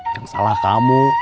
kan salah kamu